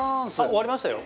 終わりましたよ。